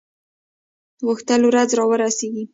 غوښتل ورځ را ورسیږي.